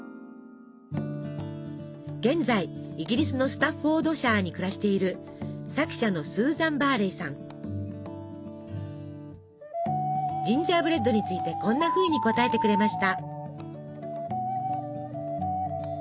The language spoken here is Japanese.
現在イギリスのスタッフォードシャーに暮らしているジンジャーブレッドについてこんなふうに答えてくれました。